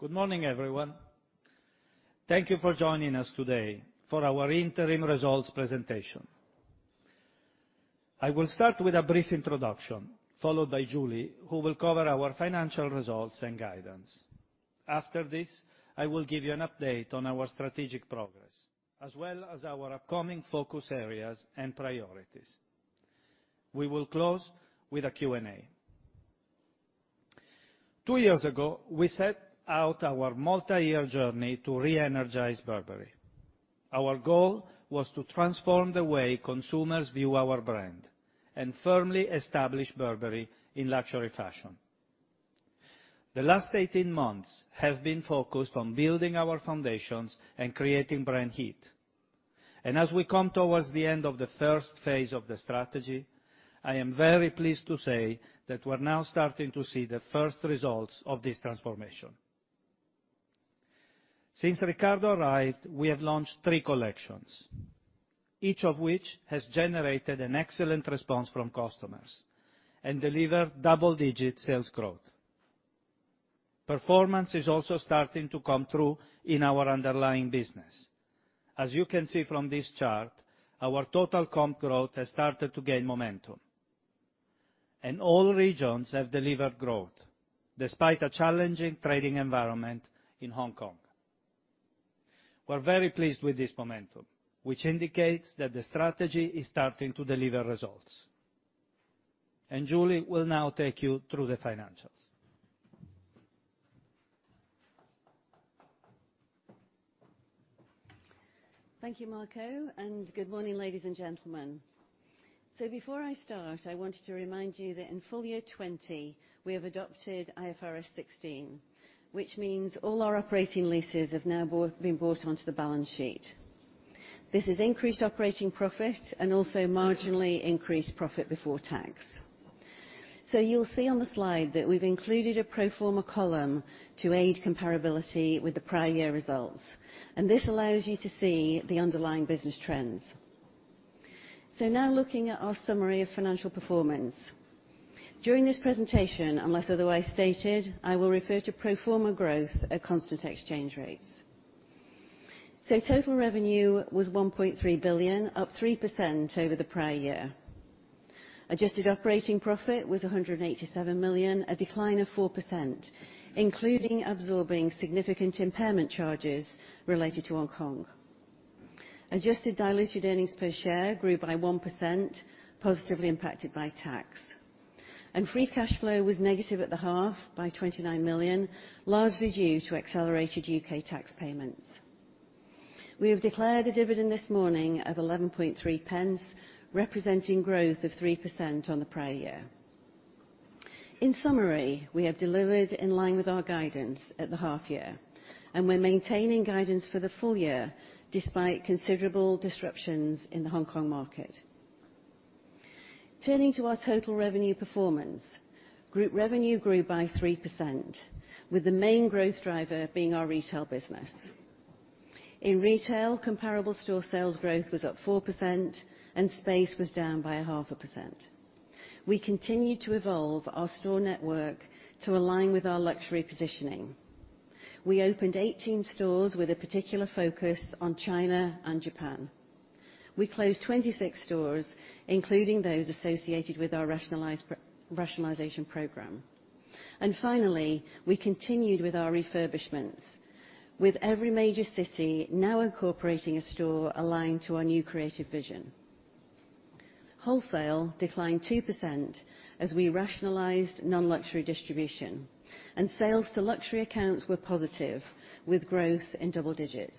Good morning, everyone. Thank you for joining us today for our interim results presentation. I will start with a brief introduction, followed by Julie, who will cover our financial results and guidance. After this, I will give you an update on our strategic progress, as well as our upcoming focus areas and priorities. We will close with a Q&A. Two years ago, we set out our multi-year journey to reenergize Burberry. Our goal was to transform the way consumers view our brand and firmly establish Burberry in luxury fashion. The last 18-months have been focused on building our foundations and creating brand heat. As we come towards the end of the first phase of the strategy, I am very pleased to say that we're now starting to see the first results of this transformation. Since Riccardo arrived, we have launched three collections, each of which has generated an excellent response from customers and delivered double-digit sales growth. Performance is also starting to come through in our underlying business. As you can see from this chart, our total comp growth has started to gain momentum, and all regions have delivered growth despite a challenging trading environment in Hong Kong. We're very pleased with this momentum, which indicates that the strategy is starting to deliver results. Julie will now take you through the financials. Thank you, Marco, and good morning, ladies and gentlemen. Before I start, I wanted to remind you that in full year 2020, we have adopted IFRS 16, which means all our operating leases have now been brought onto the balance sheet. This has increased operating profit and also marginally increased profit before tax. You'll see on the slide that we've included a pro forma column to aid comparability with the prior year results, and this allows you to see the underlying business trends. Now looking at our summary of financial performance. During this presentation, unless otherwise stated, I will refer to pro forma growth at constant exchange rates. Total revenue was 1.3 billion, up 3% over the prior year. Adjusted operating profit was 187 million, a decline of 4%, including absorbing significant impairment charges related to Hong Kong. Adjusted diluted earnings per share grew by 1%, positively impacted by tax. Free cash flow was negative at the half by 29 million, largely due to accelerated U.K. tax payments. We have declared a dividend this morning of 0.113, representing growth of 3% on the prior year. In summary, we have delivered in line with our guidance at the half year, and we're maintaining guidance for the full year despite considerable disruptions in the Hong Kong market. Turning to our total revenue performance. Group revenue grew by 3%, with the main growth driver being our retail business. In retail, comparable store sales growth was up 4% and space was down by 0.5%. We continued to evolve our store network to align with our luxury positioning. We opened 18 stores with a particular focus on China and Japan. We closed 26 stores, including those associated with our rationalization program. Finally, we continued with our refurbishments with every major city now incorporating a store aligned to our new creative vision. Wholesale declined 2% as we rationalized non-luxury distribution, and sales to luxury accounts were positive, with growth in double digits.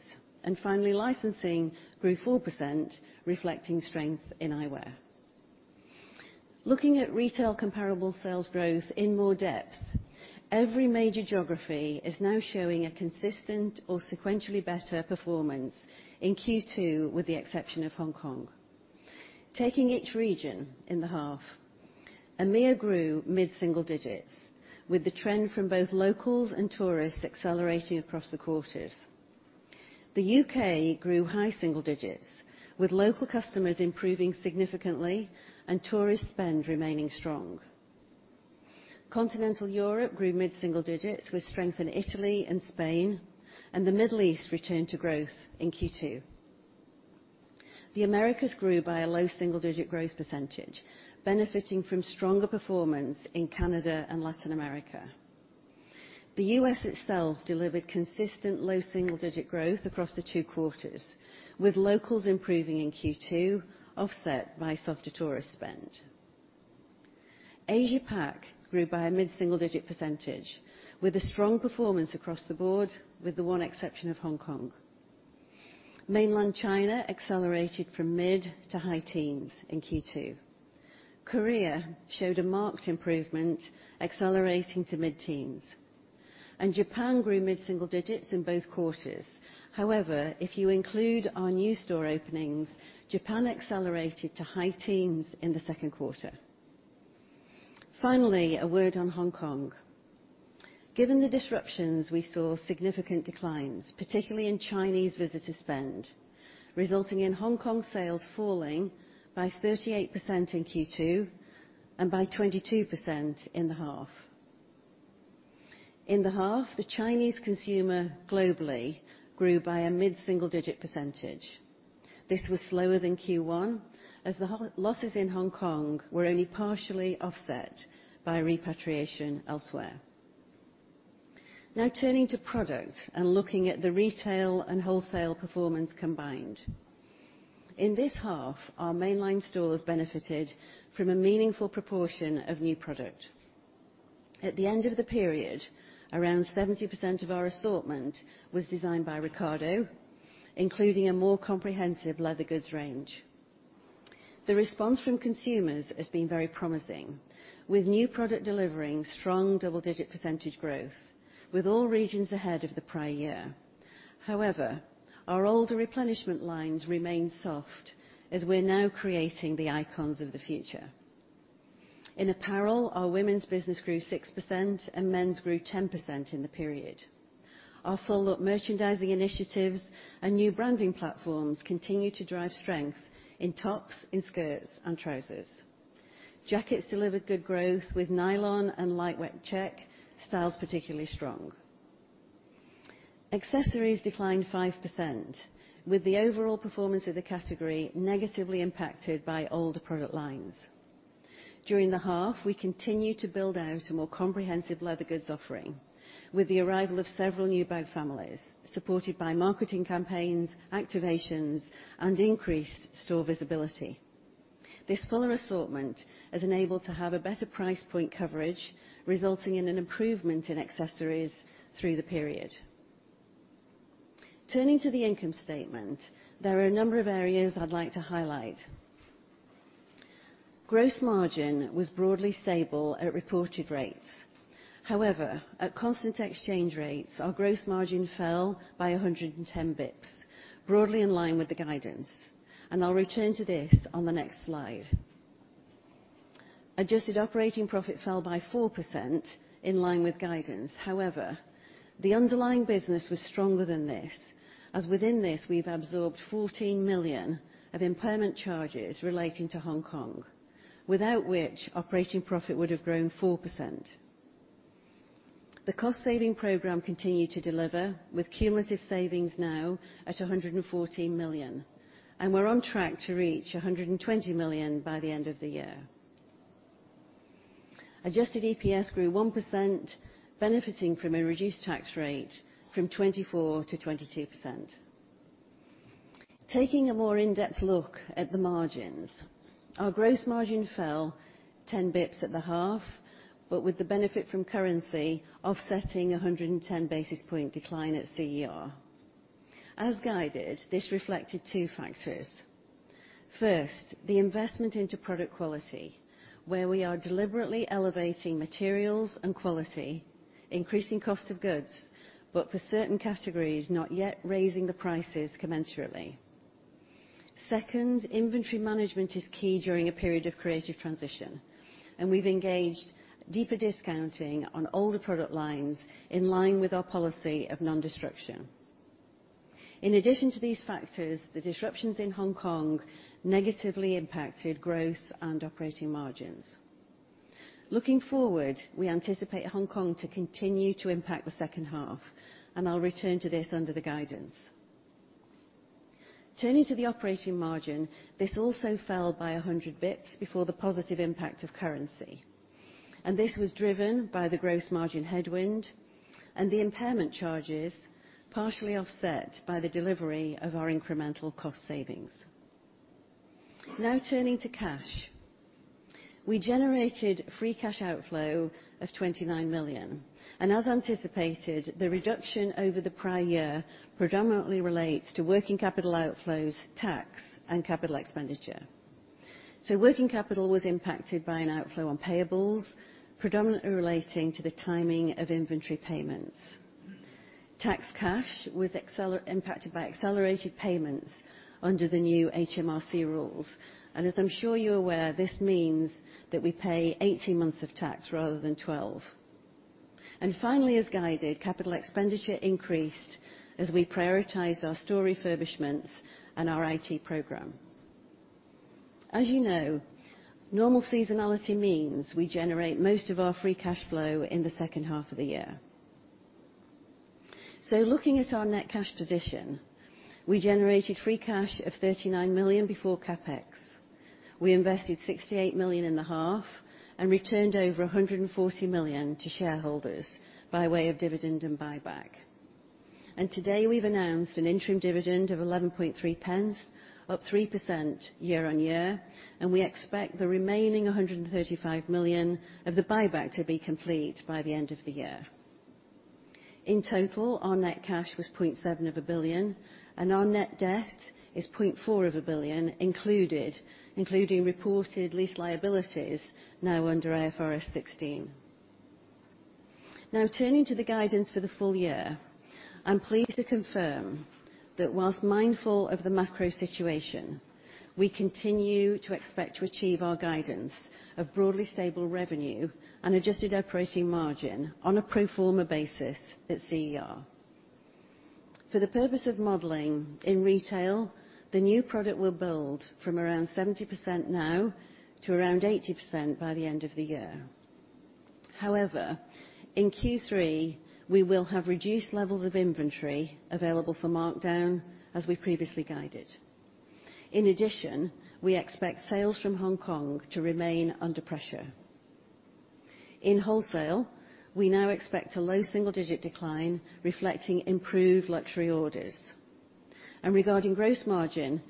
Finally, licensing grew 4%, reflecting strength in eyewear. Looking at retail comparable sales growth in more depth. Every major geography is now showing a consistent or sequentially better performance in Q2, with the exception of Hong Kong. Taking each region in the half. EMEIA grew mid-single digits, with the trend from both locals and tourists accelerating across the quarters. The U.K. grew high single digits, with local customers improving significantly and tourist spend remaining strong. Continental Europe grew mid-single digits with strength in Italy and Spain, and the Middle East returned to growth in Q2. The Americas grew by a low single-digit growth percentage, benefiting from stronger performance in Canada and Latin America. The U.S. itself delivered consistent low double-digit growth across the two quarters, with locals improving in Q2 offset by softer tourist spend. Asia Pac grew by a mid-single-digit percentage, with a strong performance across the board, with the one exception of Hong Kong. Mainland China accelerated from mid to high teens in Q2. Korea showed a marked improvement, accelerating to mid-teens. Japan grew mid-single digits in both quarters. However, if you include our new store openings, Japan accelerated to high teens in the second quarter. Finally, a word on Hong Kong. Given the disruptions, we saw significant declines, particularly in Chinese visitor spend, resulting in Hong Kong sales falling by 38% in Q2 and by 22% in the half. In the half, the Chinese consumer globally grew by a mid-single-digit percentage. This was slower than Q1, as the losses in Hong Kong were only partially offset by repatriation elsewhere. Now turning to product and looking at the retail and wholesale performance combined. In this half, our mainline stores benefited from a meaningful proportion of new product. At the end of the period, around 70% of our assortment was designed by Riccardo, including a more comprehensive leather goods range. The response from consumers has been very promising, with new product delivering strong double-digit percentage growth, with all regions ahead of the prior year. However, our older replenishment lines remain soft as we're now creating the icons of the future. In apparel, our women's business grew 6% and men's grew 10% in the period. Our follow-up merchandising initiatives and new branding platforms continue to drive strength in tops, in skirts, and trousers. Jackets delivered good growth with nylon and lightweight check styles particularly strong. Accessories declined 5%, with the overall performance of the category negatively impacted by older product lines. During the half, we continued to build out a more comprehensive leather goods offering with the arrival of several new bag families, supported by marketing campaigns, activations, and increased store visibility. This fuller assortment has enabled to have a better price point coverage, resulting in an improvement in accessories through the period. Turning to the income statement, there are a number of areas I'd like to highlight. Gross margin was broadly stable at reported rates. However, at constant exchange rates, our gross margin fell by 110 basis points, broadly in line with the guidance. I'll return to this on the next slide. Adjusted operating profit fell by 4%, in line with guidance. However, the underlying business was stronger than this, as within this, we've absorbed 14 million of impairment charges relating to Hong Kong, without which operating profit would have grown 4%. The cost-saving program continued to deliver, with cumulative savings now at 114 million. We're on track to reach 120 million by the end of the year. Adjusted EPS grew 1%, benefiting from a reduced tax rate from 24% to 22%. Taking a more in-depth look at the margins, our gross margin fell 10 basis points at the half, but with the benefit from currency offsetting 110 basis point decline at CER. As guided, this reflected two factors. First, the investment into product quality, where we are deliberately elevating materials and quality, increasing cost of goods, but for certain categories, not yet raising the prices commensurately. Second, inventory management is key during a period of creative transition, and we've engaged deeper discounting on all the product lines in line with our policy of non-destruction. In addition to these factors, the disruptions in Hong Kong negatively impacted gross and operating margins. Looking forward, we anticipate Hong Kong to continue to impact the second half, and I'll return to this under the guidance. Turning to the operating margin, this also fell by 100 basis points before the positive impact of currency. This was driven by the gross margin headwind and the impairment charges, partially offset by the delivery of our incremental cost savings. Now turning to cash. We generated free cash outflow of 29 million, and as anticipated, the reduction over the prior year predominantly relates to working capital outflows, tax, and capital expenditure. Working capital was impacted by an outflow on payables, predominantly relating to the timing of inventory payments. Tax cash was impacted by accelerated payments under the new HMRC rules. As I'm sure you're aware, this means that we pay 18-months of tax rather than 12. Finally, as guided, capital expenditure increased as we prioritized our store refurbishments and our IT program. As you know, normal seasonality means we generate most of our free cash flow in the second half of the year. Looking at our net cash position, we generated free cash of 39 million before CapEx. We invested 68 million in the half and returned over 140 million to shareholders by way of dividend and buyback. Today, we've announced an interim dividend of 0.113, up 3% year-on-year, and we expect the remaining 135 million of the buyback to be complete by the end of the year. In total, our net cash was 0.7 billion, and our net debt is 0.4 billion including reported lease liabilities now under IFRS 16. Turning to the guidance for the full year. I'm pleased to confirm that whilst mindful of the macro situation, we continue to expect to achieve our guidance of broadly stable revenue and adjusted operating margin on a pro forma basis at CER. For the purpose of modeling in retail, the new product will build from around 70% now to around 80% by the end of the year. However, in Q3, we will have reduced levels of inventory available for markdown as we previously guided. In addition, we expect sales from Hong Kong to remain under pressure. In wholesale, we now expect a low single-digit decline reflecting improved luxury orders. Regarding gross margin,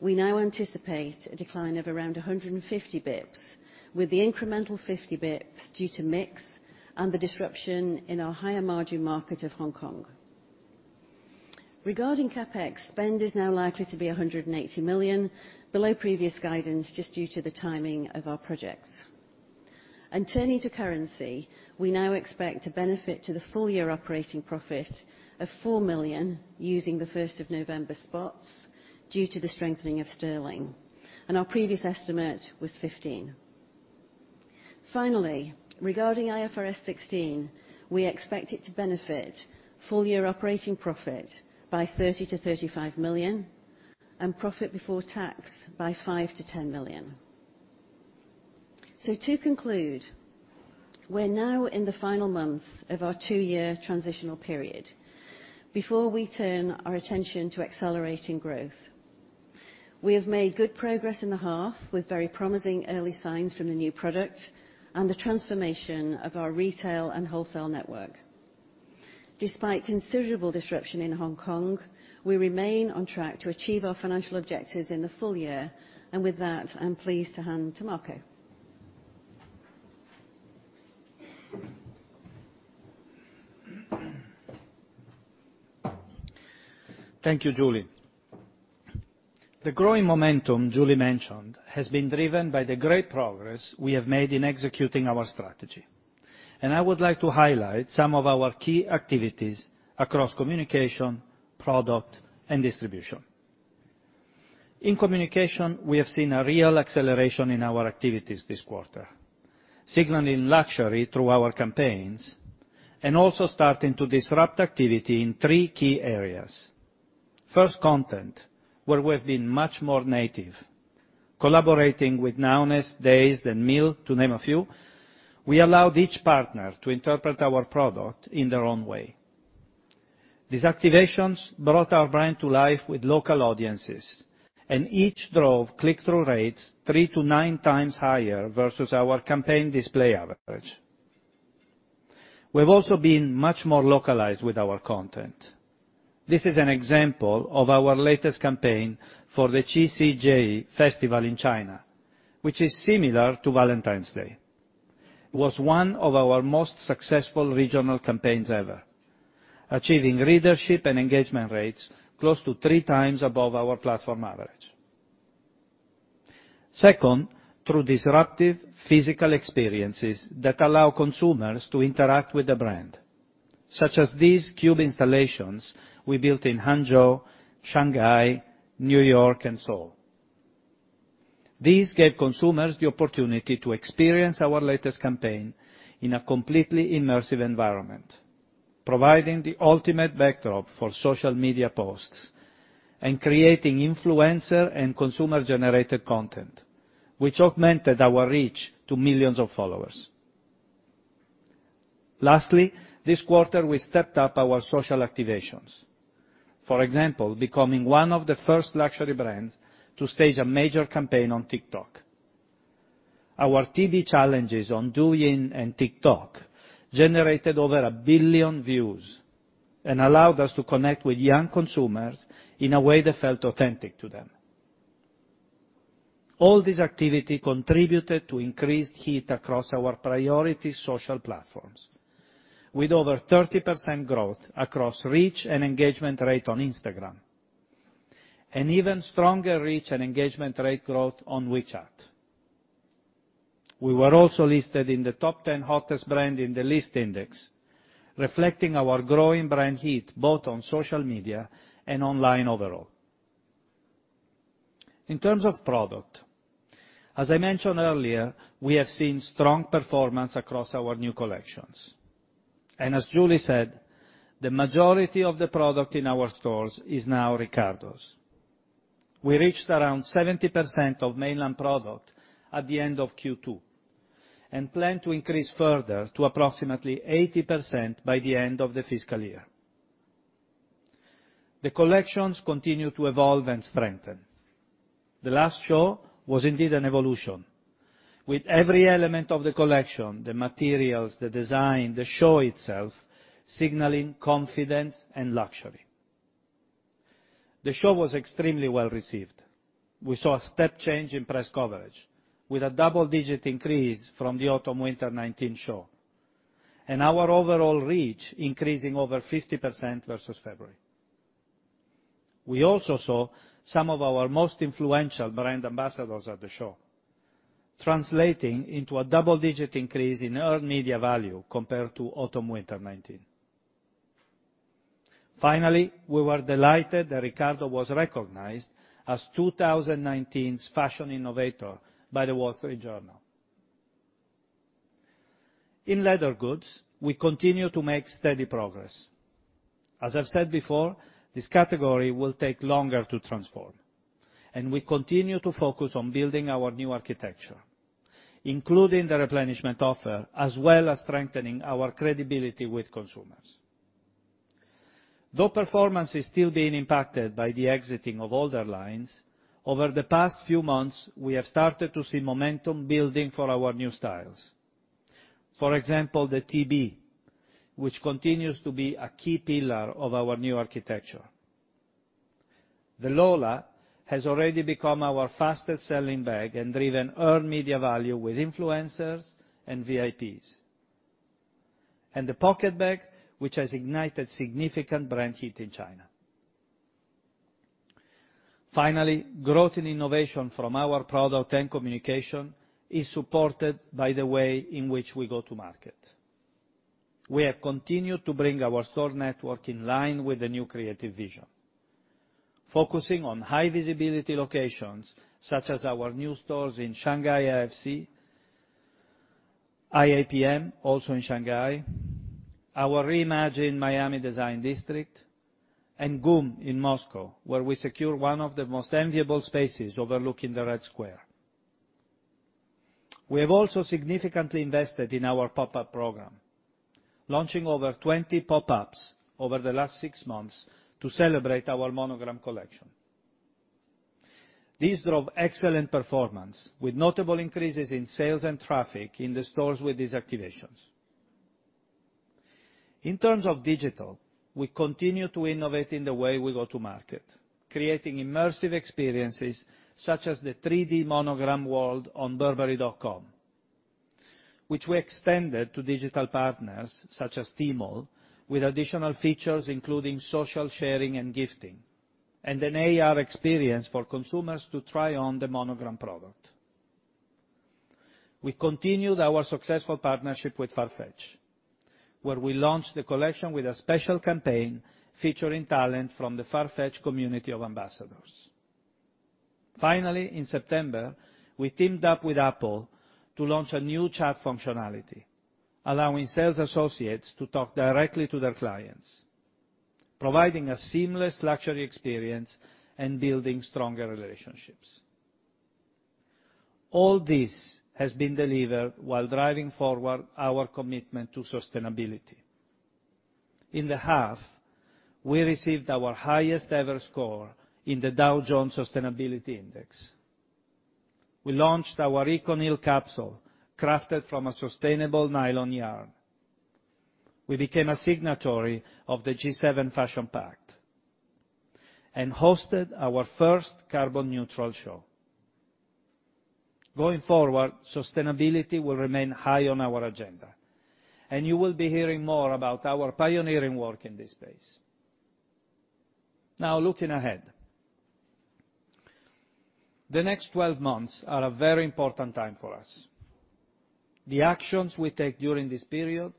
we now anticipate a decline of around 150 basis points, with the incremental 50 basis points due to mix and the disruption in our higher-margin market of Hong Kong. Regarding CapEx, spend is now likely to be 180 million, below previous guidance, just due to the timing of our projects. Turning to currency, we now expect a benefit to the full-year operating profit of 4 million using the 1st of November spots due to the strengthening of sterling, and our previous estimate was 15 million. Finally, regarding IFRS 16, we expect it to benefit full-year operating profit by 30 million-35 million and profit before tax by 5 million-10 million. To conclude, we're now in the final months of our two year transitional period before we turn our attention to accelerating growth. We have made good progress in the half with very promising early signs from the new product and the transformation of our retail and wholesale network. Despite considerable disruption in Hong Kong, we remain on track to achieve our financial objectives in the full year. With that, I'm pleased to hand to Marco. Thank you, Julie. The growing momentum Julie mentioned has been driven by the great progress we have made in executing our strategy, and I would like to highlight some of our key activities across communication, product, and distribution. In communication, we have seen a real acceleration in our activities this quarter, signaling luxury through our campaigns and also starting to disrupt activity in three key areas. First, content, where we have been much more native, collaborating with NOWNESS, Dazed, and Mille, to name a few. We allowed each partner to interpret our product in their own way. These activations brought our brand to life with local audiences, and each drove click-through rates three to nine times higher versus our campaign display average. We have also been much more localized with our content. This is an example of our latest campaign for the Qixi Festival in China, which is similar to Valentine's Day. It was one of our most successful regional campaigns ever, achieving readership and engagement rates close to three times above our platform average. Second, through disruptive physical experiences that allow consumers to interact with the brand, such as these cube installations we built in Hangzhou, Shanghai, New York, and Seoul. These gave consumers the opportunity to experience our latest campaign in a completely immersive environment, providing the ultimate backdrop for social media posts and creating influencer and consumer-generated content, which augmented our reach to millions of followers. Lastly, this quarter, we stepped up our social activations. For example, becoming one of the first luxury brands to stage a major campaign on TikTok. Our TB challenges on Douyin and TikTok generated over 1 billion views and allowed us to connect with young consumers in a way that felt authentic to them. All this activity contributed to increased heat across our priority social platforms, with over 30% growth across reach and engagement rate on Instagram and even stronger reach and engagement rate growth on WeChat. We were also listed in the top 10 hottest brand in the Lyst Index, reflecting our growing brand heat both on social media and online overall. In terms of product, as I mentioned earlier, we have seen strong performance across our new collections. As Julie said, the majority of the product in our stores is now Riccardo's. We reached around 70% of Mainland China product at the end of Q2 and plan to increase further to approximately 80% by the end of the fiscal year. The collections continue to evolve and strengthen. The last show was indeed an evolution. With every element of the collection, the materials, the design, the show itself, signaling confidence and luxury. The show was extremely well-received. We saw a step change in press coverage with a double-digit increase from the autumn/winter 2019 show and our overall reach increasing over 50% versus February. We also saw some of our most influential brand ambassadors at the show, translating into a double-digit increase in earned media value compared to autumn/winter 2019. Finally, we were delighted that Riccardo was recognized as 2019's Fashion Innovator by The Wall Street Journal. In leather goods, we continue to make steady progress. As I've said before, this category will take longer to transform, and we continue to focus on building our new architecture, including the replenishment offer, as well as strengthening our credibility with consumers. Though performance is still being impacted by the exiting of older lines, over the past few months, we have started to see momentum building for our new styles. For example, the TB, which continues to be a key pillar of our new architecture. The Lola has already become our fastest-selling bag and driven earned media value with influencers and VIPs. The Pocket Bag, which has ignited significant brand heat in China. Finally, growth in innovation from our product and communication is supported by the way in which we go to market. We have continued to bring our store network in line with the new creative vision, focusing on high-visibility locations such as our new stores in Shanghai IFC, IAPM, also in Shanghai, our reimagined Miami Design District, and GUM in Moscow, where we secure one of the most enviable spaces overlooking the Red Square. We have also significantly invested in our pop-up program, launching over 20 pop-ups over the last six months to celebrate our Monogram collection. This drove excellent performance with notable increases in sales and traffic in the stores with these activations. In terms of digital, we continue to innovate in the way we go to market, creating immersive experiences such as the 3D Monogram world on burberry.com, which we extended to digital partners such as Tmall with additional features including social sharing and gifting, and an AR experience for consumers to try on the Monogram product. We continued our successful partnership with Farfetch, where we launched the collection with a special campaign featuring talent from the Farfetch community of ambassadors. Finally, in September, we teamed up with Apple to launch a new chat functionality, allowing sales associates to talk directly to their clients, providing a seamless luxury experience and building stronger relationships. All this has been delivered while driving forward our commitment to sustainability. In the half, we received our highest-ever score in the Dow Jones Sustainability Index. We launched our ECONYL capsule, crafted from a sustainable nylon yarn. We became a signatory of the G7 Fashion Pact and hosted our first carbon-neutral show. Going forward, sustainability will remain high on our agenda, and you will be hearing more about our pioneering work in this space. Now, looking ahead. The next 12-months are a very important time for us. The actions we take during this period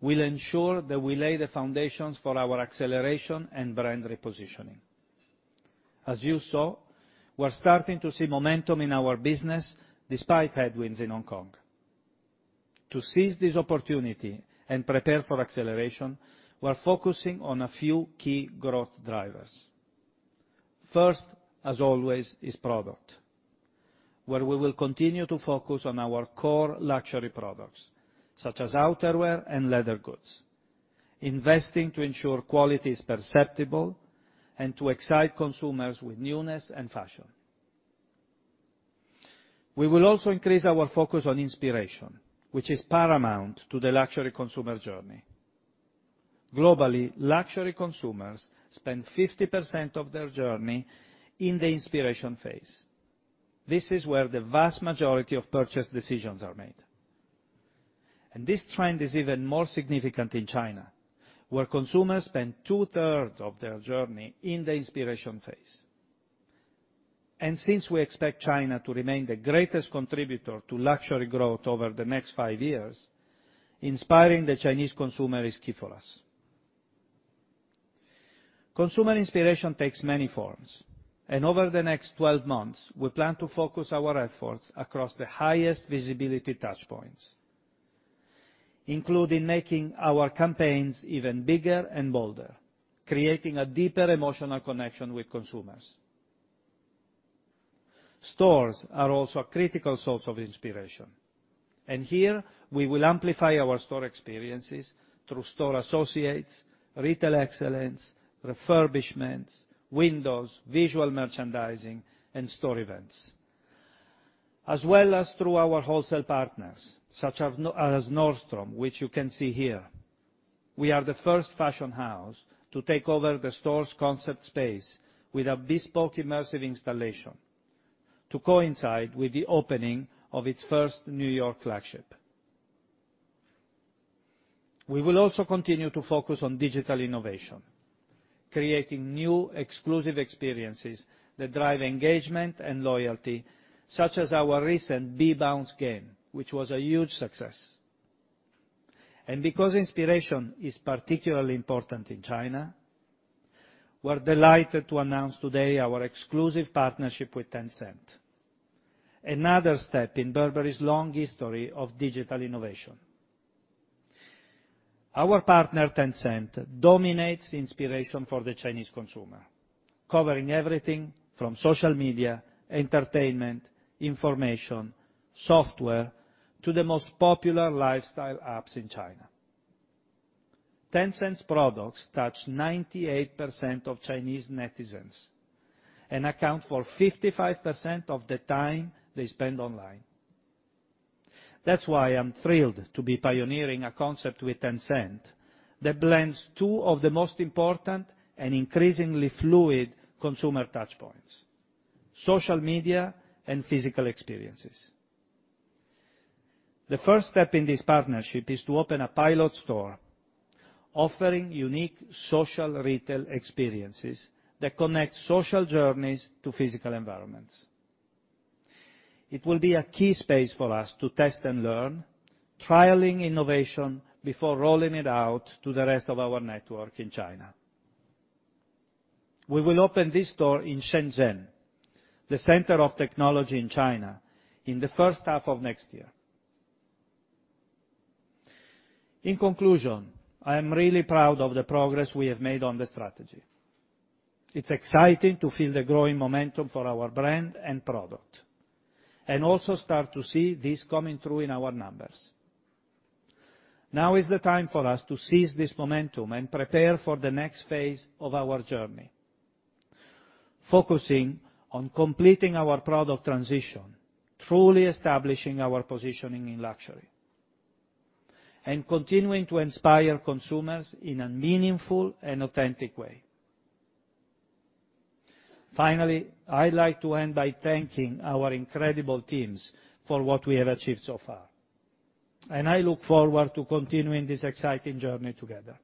will ensure that we lay the foundations for our acceleration and brand repositioning. As you saw, we're starting to see momentum in our business despite headwinds in Hong Kong. To seize this opportunity and prepare for acceleration, we're focusing on a few key growth drivers. First, as always, is product, where we will continue to focus on our core luxury products, such as outerwear and leather goods, investing to ensure quality is perceptible and to excite consumers with newness and fashion. We will also increase our focus on inspiration, which is paramount to the luxury consumer journey. Globally, luxury consumers spend 50% of their journey in the inspiration phase. This is where the vast majority of purchase decisions are made. This trend is even more significant in China, where consumers spend two-thirds of their journey in the inspiration phase. Since we expect China to remain the greatest contributor to luxury growth over the next five years, inspiring the Chinese consumer is key for us. Consumer inspiration takes many forms, and over the next 12-months, we plan to focus our efforts across the highest visibility touchpoints, including making our campaigns even bigger and bolder, creating a deeper emotional connection with consumers. Stores are also a critical source of inspiration, and here we will amplify our store experiences through store associates, retail excellence, refurbishments, windows, visual merchandising, and store events, as well as through our wholesale partners such as Nordstrom, which you can see here. We are the first fashion house to take over the store's concept space with a bespoke immersive installation to coincide with the opening of its first New York flagship. We will also continue to focus on digital innovation, creating new exclusive experiences that drive engagement and loyalty, such as our recent B Bounce game, which was a huge success. Because inspiration is particularly important in China, we're delighted to announce today our exclusive partnership with Tencent. Another step in Burberry's long history of digital innovation. Our partner, Tencent, dominates inspiration for the Chinese consumer, covering everything from social media, entertainment, information, software, to the most popular lifestyle apps in China. Tencent's products touch 98% of Chinese netizens and account for 55% of the time they spend online. That's why I'm thrilled to be pioneering a concept with Tencent that blends two of the most important and increasingly fluid consumer touch points, social media and physical experiences. The first step in this partnership is to open a pilot store offering unique social retail experiences that connect social journeys to physical environments. It will be a key space for us to test and learn, trialing innovation before rolling it out to the rest of our network in China. We will open this store in Shenzhen, the center of technology in China, in the first half of next year. In conclusion, I am really proud of the progress we have made on the strategy. It's exciting to feel the growing momentum for our brand and product, and also start to see this coming through in our numbers. Now is the time for us to seize this momentum and prepare for the next phase of our journey, focusing on completing our product transition, truly establishing our positioning in luxury, and continuing to inspire consumers in a meaningful and authentic way. Finally, I'd like to end by thanking our incredible teams for what we have achieved so far. I look forward to continuing this exciting journey together.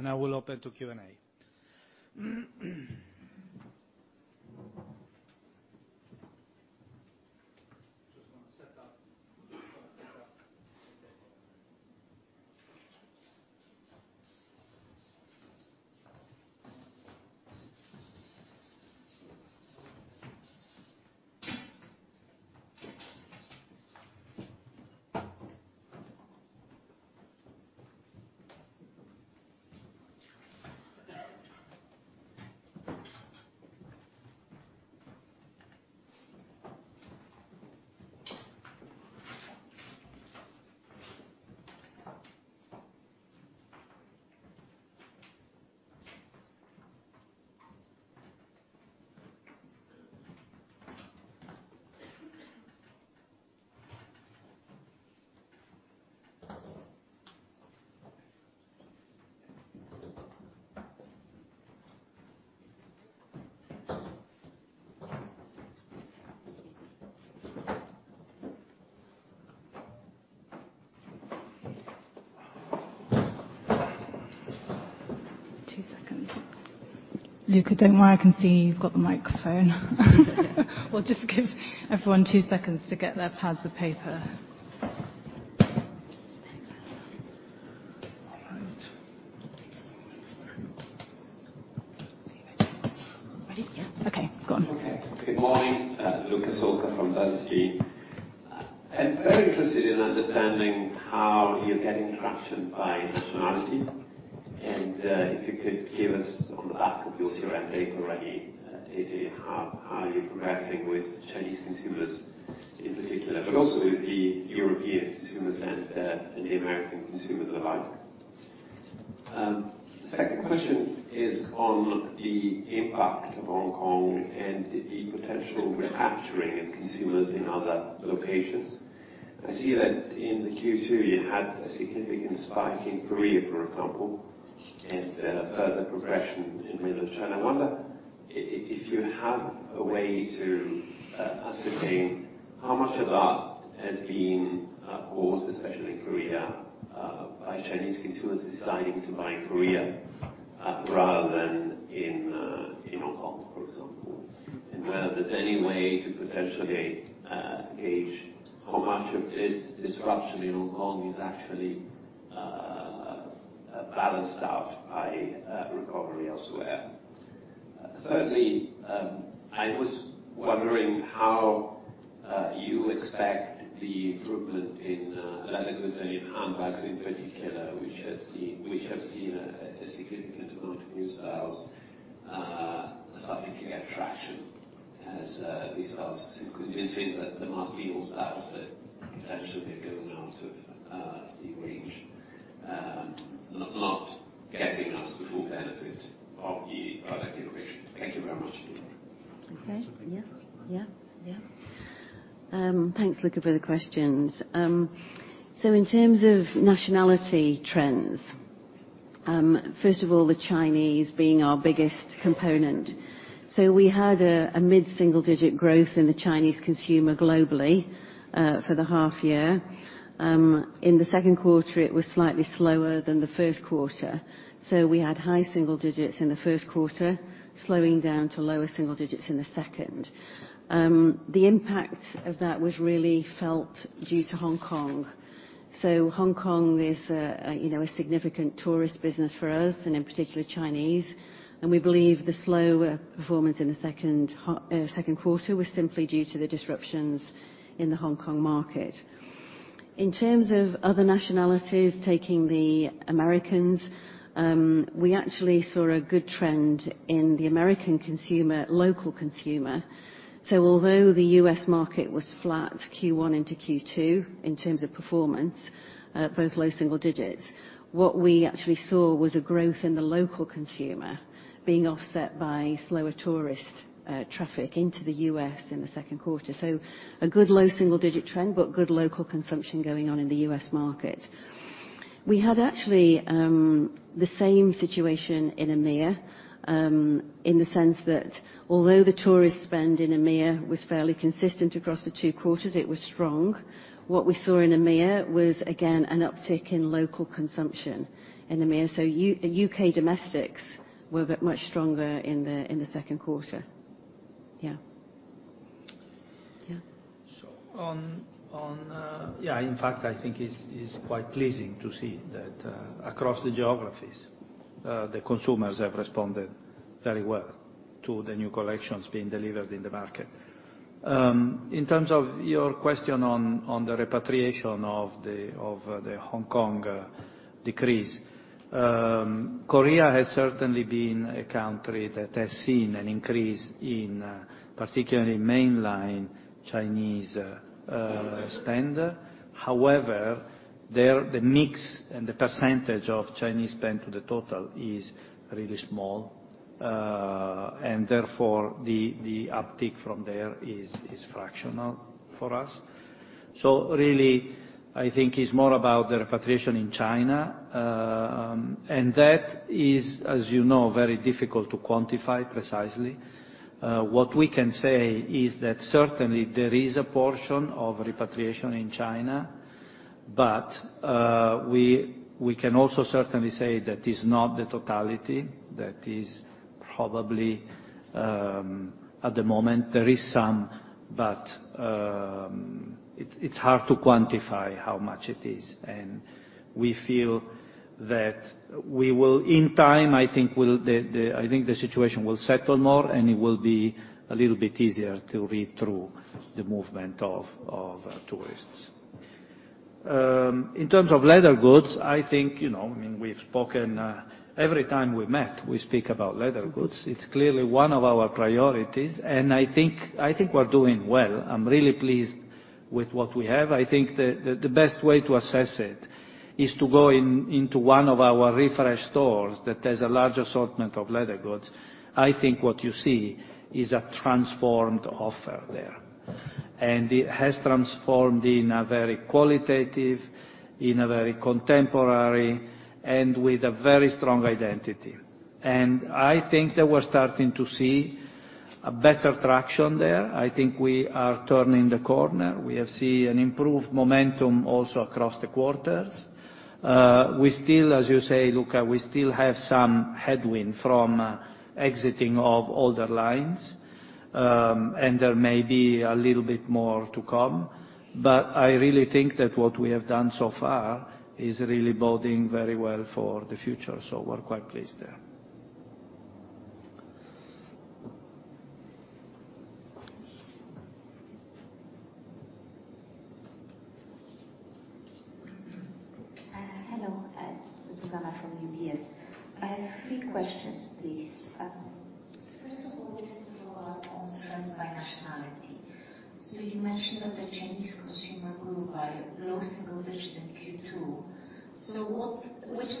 Okay. I will open to Q&A. Just want to set up. Two seconds. Luca, don't worry, I can see you've got the microphone. We'll just give everyone two seconds to get their pads of paper. All right. Ready? Yeah. Okay. Go on. Okay. Good morning. Luca Solca from Bernstein. I'm very interested in understanding how you're getting traction by nationality. If you could give us, on the back of your CRM data already, data how you're progressing with Chinese consumers in particular, but also the European consumers and the American consumers alike. Second question is on the impact of Hong Kong and the potential recapturing of consumers in other locations. I see that in the Q2, you had a significant spike in Korea, for example, and a further progression in Mainland China. I wonder if you have a way to ascertain how much of that has been caused, especially in Korea, by Chinese consumers deciding to buy in Korea rather than in Hong Kong, for example, and whether there's any way to potentially gauge how much of this disruption in Hong Kong is actually balanced out by recovery elsewhere. Thirdly, I was wondering how you expect the improvement in leather goods and handbags in particular, which have seen a significant amount of new styles starting to get traction as these styles the mass-appeal styles that potentially are going out of the range, not getting us the full benefit of the product innovation? Thank you very much. Okay. Yeah. Thanks, Luca, for the questions. In terms of nationality trends, first of all, the Chinese being our biggest component. We had a mid-single-digit growth in the Chinese consumer globally for the half year. In the second quarter, it was slightly slower than the first quarter. We had high single digits in the first quarter, slowing down to lower single digits in the second. The impact of that was really felt due to Hong Kong. Hong Kong is a significant tourist business for us, and in particular Chinese. We believe the slower performance in the second quarter was simply due to the disruptions in the Hong Kong market. In terms of other nationalities, taking the Americans, we actually saw a good trend in the American consumer, local consumer. Although the U.S. market was flat Q1 into Q2 in terms of performance, both low single digits, what we actually saw was a growth in the local consumer being offset by slower tourist traffic into the U.S. in the second quarter. A good low single-digit trend, but good local consumption going on in the U.S. market. We had actually the same situation in EMEIA, in the sense that although the tourist spend in EMEIA was fairly consistent across the two quarters, it was strong. What we saw in EMEIA was again, an uptick in local consumption in EMEIA. U.K. domestics were much stronger in the second quarter. Yeah. In fact, I think it's quite pleasing to see that across the geographies, the consumers have responded very well to the new collections being delivered in the market. In terms of your question on the repatriation of the Hong Kong decrease, Korea has certainly been a country that has seen an increase in particularly mainline Chinese spend. However, the mix and the percentage of Chinese spend to the total is really small. Therefore, the uptick from there is fractional for us. Really, I think it's more about the repatriation in China. That is, as you know, very difficult to quantify precisely. What we can say is that certainly there is a portion of repatriation in China, but we can also certainly say that it's not the totality. That is probably at the moment, there is some, but it's hard to quantify how much it is. We feel that we will, in time, I think the situation will settle more, and it will be a little bit easier to read through the movement of tourists. In terms of leather goods, I think, we've spoken, every time we've met, we speak about leather goods. It's clearly one of our priorities, and I think we're doing well. I'm really pleased with what we have. I think the best way to assess it is to go into one of our refreshed stores that has a large assortment of leather goods. I think what you see is a transformed offer there. It has transformed in a very qualitative, in a very contemporary, and with a very strong identity. I think that we're starting to see a better traction there. I think we are turning the corner. We have seen an improved momentum also across the quarters. We still, as you say, Luca, we still have some headwind from exiting of older lines, and there may be a little bit more to come. I really think that what we have done so far is really boding very well for the future. We're quite pleased there.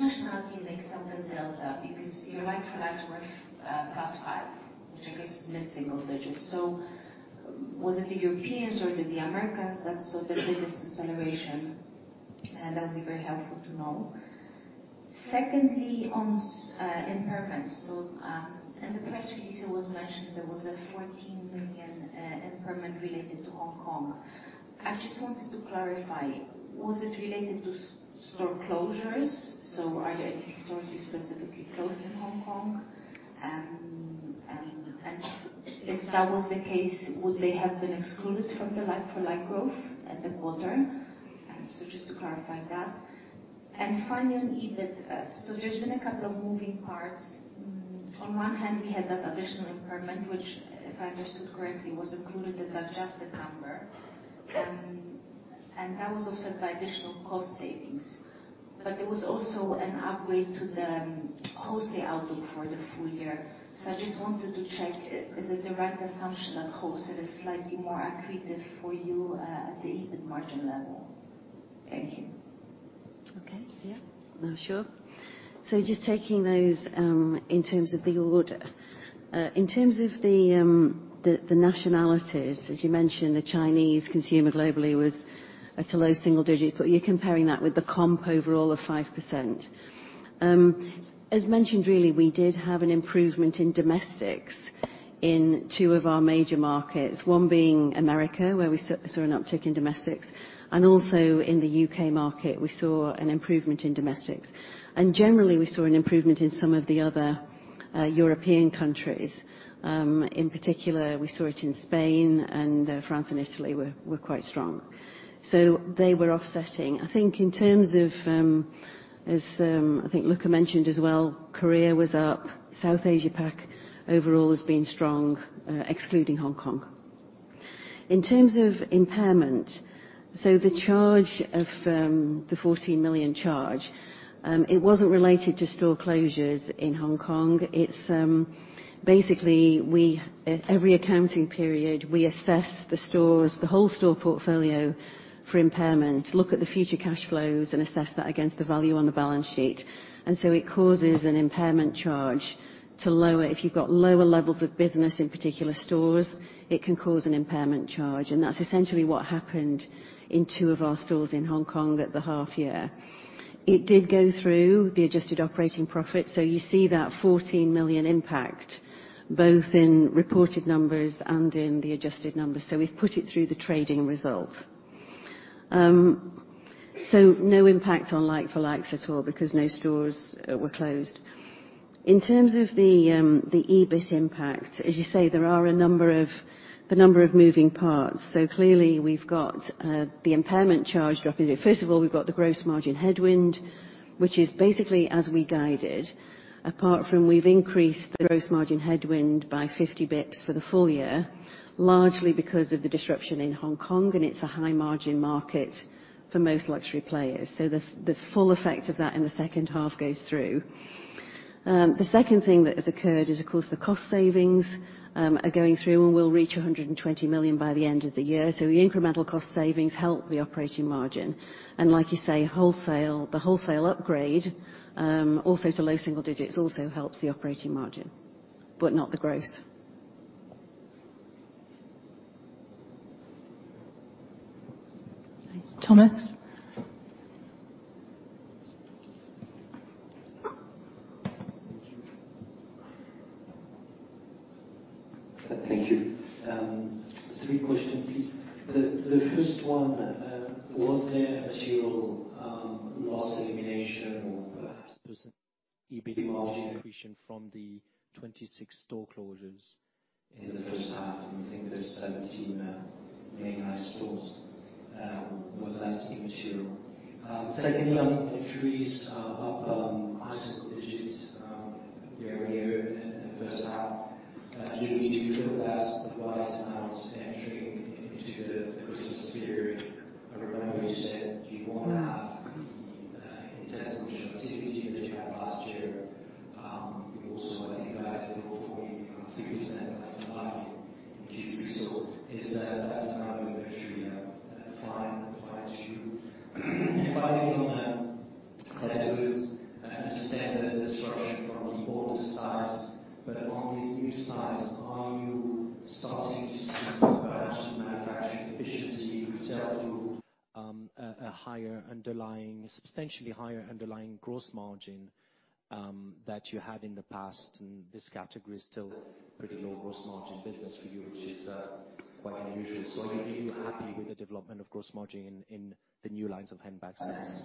Hello. It's Zuzanna from UBS. I have three questions, please. First of all, to follow up on trends by nationality. You mentioned that the Chinese consumer grew by low single-digit in Q2. Which nationality makes up the delta? Because your like-for-like was +5%, which I guess is mid-single-digits. Was it the Europeans or did the Americans that did this acceleration? That would be very helpful to know. Secondly, on impairments. In the press release, it was mentioned there was a 14 million impairment related to Hong Kong. I wanted to clarify, was it related to store closures? Are there any stores you specifically closed in Hong Kong? And if that was the case, would they have been excluded from the like-for-like growth at the quarter? To clarify that. And finally, EBIT. There's been a couple of moving parts. On one hand, we had that additional impairment which, if I understood correctly, was included in adjusted the number. That was offset by additional cost savings. There was also an upgrade to the wholesale outlook for the full year. I just wanted to check, is it the right assumption that wholesale is slightly more accretive for you at the EBIT margin level? Thank you. Okay. Yeah. No, sure. Just taking those in terms of the order. In terms of the nationalities, as you mentioned, the Chinese consumer globally was at a low single digit, but you're comparing that with the comp overall of 5%. As mentioned, really, we did have an improvement in domestics in two of our major markets, one being America, where we saw an uptick in domestics, and also in the U.K. market, we saw an improvement in domestics. Generally, we saw an improvement in some of the other European countries. In particular, we saw it in Spain and France and Italy were quite strong. They were offsetting. I think, as Luca mentioned as well, Korea was up. South Asia Pacific overall has been strong, excluding Hong Kong. In terms of impairment, the charge of the 14 million charge, it wasn't related to store closures in Hong Kong. It's basically, every accounting period, we assess the stores, the whole store portfolio for impairment, look at the future cash flows, and assess that against the value on the balance sheet. It causes an impairment charge to lower. If you've got lower levels of business, in particular stores, it can cause an impairment charge, and that's essentially what happened in two of our stores in Hong Kong at the half year. It did go through the adjusted operating profit. You see that 14 million impact both in reported numbers and in the adjusted numbers. We've put it through the trading results. No impact on like-for-likes at all because no stores were closed. In terms of the EBIT impact, as you say, there are a number of moving parts. Clearly we've got the impairment charge dropping. First of all, we've got the gross margin headwind, which is basically as we guided, apart from we've increased the gross margin headwind by 50 basis points for the full year, largely because of the disruption in Hong Kong, it's a high margin market for most luxury players. The full effect of that in the second half goes through. The second thing that has occurred is, of course, the cost savings are going through and will reach 120 million by the end of the year. The incremental cost savings help the operating margin. Like you say, the wholesale upgrade, also to low single digits, also helps the operating margin, but not the gross. Thank you. Thomas? Thank you. Three question, please. The first one, was there a material loss elimination or perhaps there was an EBIT margin increase from the 26 store closures in the first half? I think there's 17 mainline stores. Was that immaterial? Secondly on inventories up high single digits year-on-year in the first half. Do you feel that's the right amount entering into the Christmas period? I remember you said you won't have the intense promotional activity that you had last year. You also, I think, guided for a 3% like-for-like in Q3. Is that the right inventory fine-tune. Finally on the leather goods, I understand that the disruption from the old styles, but on these new styles, are you starting to see perhaps manufacturing efficiency itself or a substantially higher underlying gross margin that you had in the past? This category is still pretty low gross margin business for you, which is quite unusual. Are you happy with the development of gross margin in the new lines of handbags sales?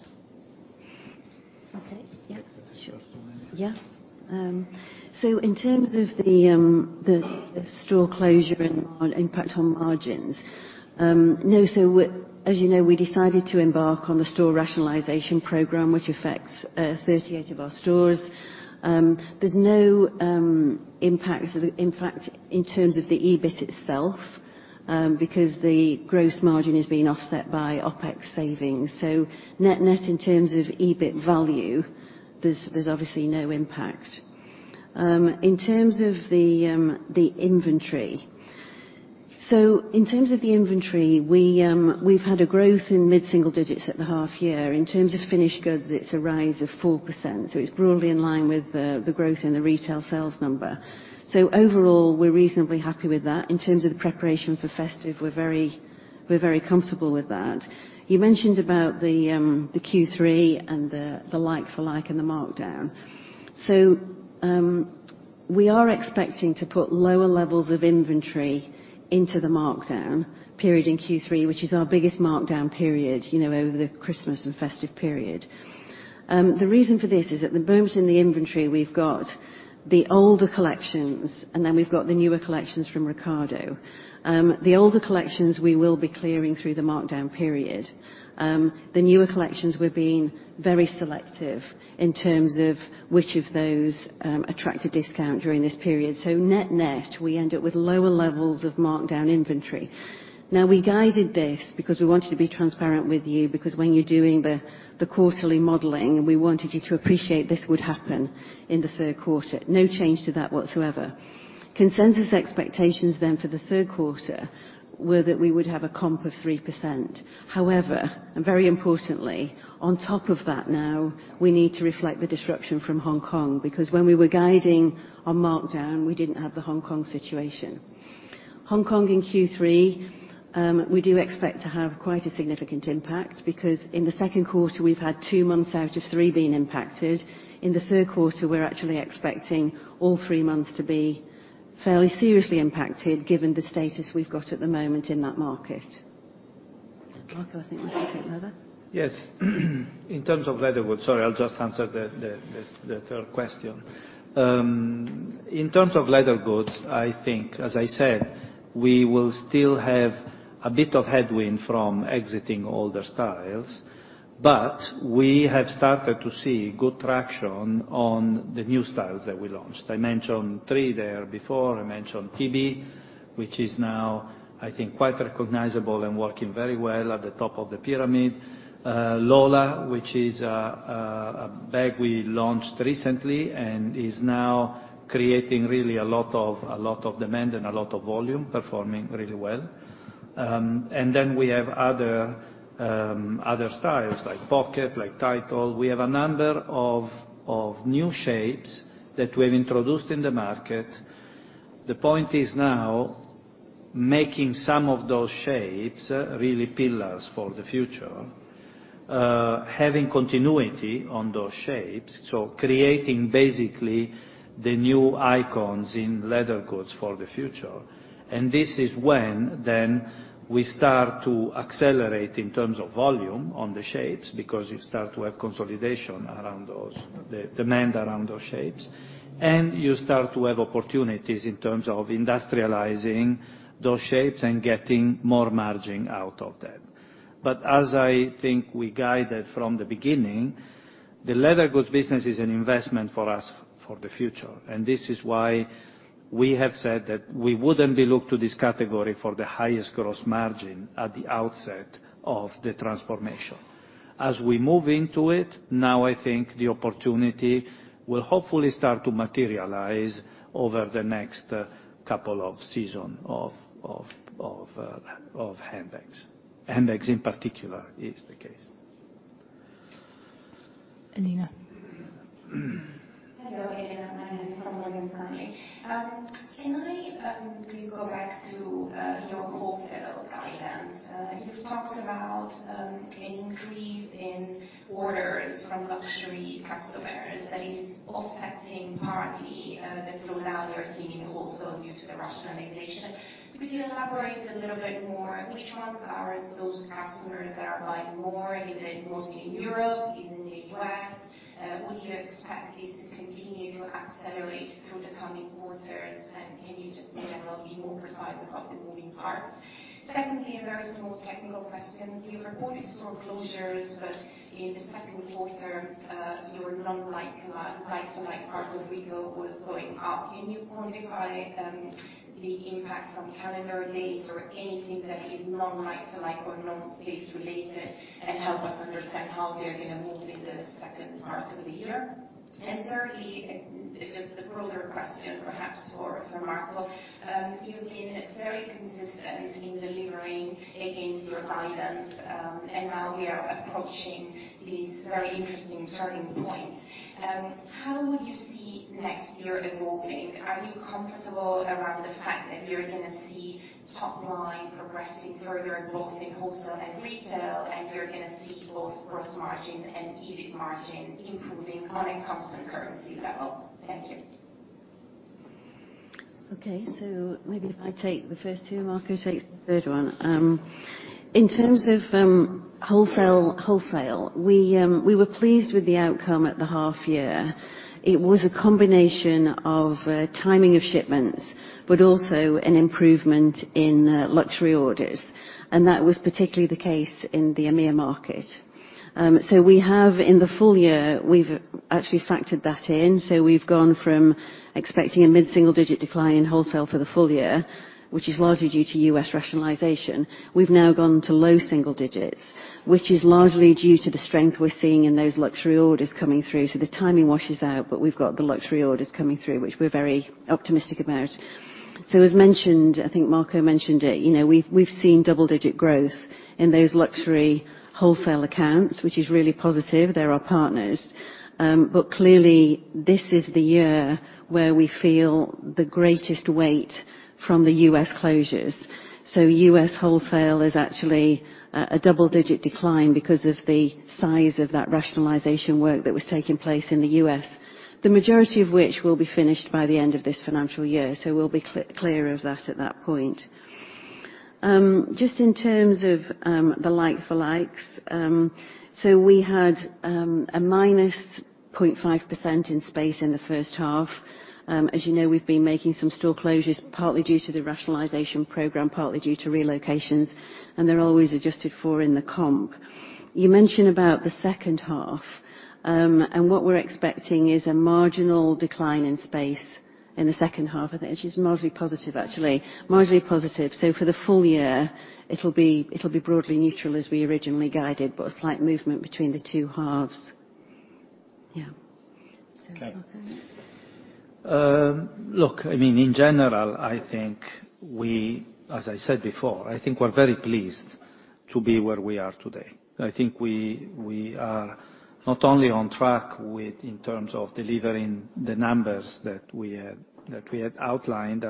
Okay. Yeah. Sure. That's it for me. Yeah. In terms of the store closure and impact on margins. As you know, we decided to embark on the store rationalization program, which affects 38 of our stores. There's no impact in terms of the EBIT itself, because the gross margin is being offset by OpEx savings. Net in terms of EBIT value, there's obviously no impact. In terms of the inventory, we've had a growth in mid-single digits at the half year. In terms of finished goods, it's a rise of 4%, so it's broadly in line with the growth in the retail sales number. Overall, we're reasonably happy with that. In terms of the preparation for festive, we're very comfortable with that. You mentioned about the Q3 and the like for like, and the markdown. We are expecting to put lower levels of inventory into the markdown period in Q3, which is our biggest markdown period over the Christmas and festive period. The reason for this is at the moment in the inventory, we've got the older collections and then we've got the newer collections from Riccardo. The older collections, we will be clearing through the markdown period. The newer collections, we're being very selective in terms of which of those attract a discount during this period. Net-net, we end up with lower levels of markdown inventory. We guided this because we wanted to be transparent with you, because when you're doing the quarterly modeling, we wanted you to appreciate this would happen in the third quarter. No change to that whatsoever. Consensus expectations for the third quarter were that we would have a comp of 3%. However, and very importantly, on top of that now, we need to reflect the disruption from Hong Kong, because when we were guiding our markdown, we didn't have the Hong Kong situation. Hong Kong in Q3, we do expect to have quite a significant impact, because in the second quarter, we've had two months out of three being impacted. In the third quarter, we're actually expecting all three months to be fairly seriously impacted given the status we've got at the moment in that market. Marco, I think you must take over. Yes. In terms of leather goods Sorry, I'll just answer the third question. In terms of leather goods, I think, as I said, we will still have a bit of headwind from exiting older styles. We have started to see good traction on the new styles that we launched. I mentioned three there before. I mentioned TB, which is now I think quite recognizable and working very well at the top of the pyramid. Lola, which is a bag we launched recently, and is now creating really a lot of demand and a lot of volume, performing really well. We have other styles, like Pocket, like Title. We have a number of new shapes that we've introduced in the market. The point is now making some of those shapes really pillars for the future, having continuity on those shapes, so creating basically the new icons in leather goods for the future. This is when then we start to accelerate in terms of volume on the shapes, because you start to have consolidation around those, the demand around those shapes. You start to have opportunities in terms of industrializing those shapes and getting more margin out of them. As I think we guided from the beginning, the leather goods business is an investment for us for the future. This is why we have said that we wouldn't be looked to this category for the highest gross margin at the outset of the transformation. As we move into it, now I think the opportunity will hopefully start to materialize over the next couple of season of handbags. Handbags in particular is the case. Elena. Hello, Elena from Morgan Stanley. Can I please go back to your wholesale guidance? You've talked about an increase in orders from luxury customers that is affecting partly the slowdown you're seeing also due to the rationalization. Could you elaborate a little bit more? Which ones are those customers that are buying more? Is it mostly in Europe? Is it in the U.S.? Would you expect this to continue to accelerate through the coming quarters? Can you just generally be more precise about the moving parts? Secondly, a very small technical question. You've reported store closures, but in the second quarter, your non-like-for-like part of retail was going up. Can you quantify the impact from calendar days or anything that is non-like-for-like or non-space related, and help us understand how they're going to move in the second part of the year? Thirdly, just a broader question perhaps for Marco. You've been very consistent in delivering against your guidance, and now we are approaching this very interesting turning point. How would you see next year evolving? Are you comfortable around the fact that you're going to see top line progressing further both in wholesale and retail, and you're going to see both gross margin and EBIT margin improving on a constant currency level? Thank you. Okay, maybe if I take the first two, Marco takes the third one. In terms of wholesale, we were pleased with the outcome at the half year. It was a combination of timing of shipments, but also an improvement in luxury orders. That was particularly the case in the EMEIA market. We have, in the full year, we've actually factored that in. We've gone from expecting a mid-single digit decline in wholesale for the full year, which is largely due to U.S. rationalization. We've now gone to low single digits, which is largely due to the strength we're seeing in those luxury orders coming through. The timing washes out, but we've got the luxury orders coming through, which we're very optimistic about. As mentioned, I think Marco mentioned it, we've seen double-digit growth in those luxury wholesale accounts, which is really positive. They're our partners. Clearly, this is the year where we feel the greatest weight from the U.S. closures. U.S. wholesale is actually a double-digit decline because of the size of that rationalization work that was taking place in the U.S. The majority of which will be finished by the end of this financial year. We'll be clear of that at that point. Just in terms of the like for likes, so we had a -0.5% in space in the first half. As you know, we've been making some store closures partly due to the rationalization program, partly due to relocations, and they're always adjusted for in the comp. You mentioned about the second half, and what we're expecting is a marginal decline in space in the second half. I think it's just moderately positive, actually. Moderately positive. For the full year, it'll be broadly neutral as we originally guided, but a slight movement between the two halves. Yeah. Okay. Look, in general, as I said before, I think we're very pleased to be where we are today. I think we are not only on track in terms of delivering the numbers that we had outlined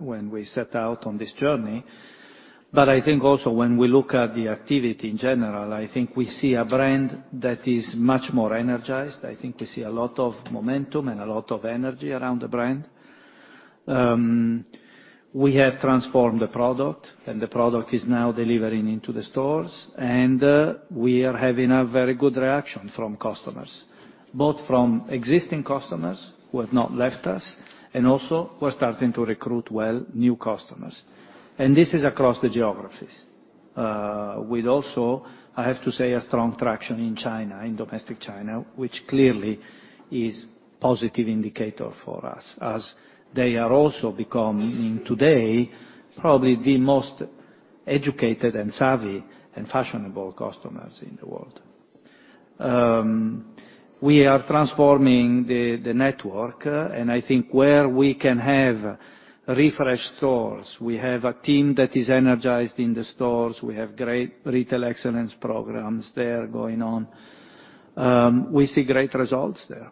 when we set out on this journey, but I think also when we look at the activity in general, I think we see a brand that is much more energized. I think we see a lot of momentum and a lot of energy around the brand. We have transformed the product, and the product is now delivering into the stores, and we are having a very good reaction from customers. Both from existing customers who have not left us, and also we're starting to recruit well new customers. This is across the geographies. I have to say, a strong traction in China, in domestic China, which clearly is positive indicator for us, as they are also becoming today, probably the most educated and savvy and fashionable customers in the world. We are transforming the network. I think where we can have refreshed stores, we have a team that is energized in the stores. We have great retail excellence programs there going on. We see great results there.